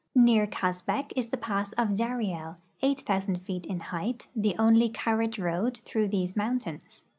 Near Kazbek is the pass of Dariel, 8,000 feet in height, the only carriage road through these mountains.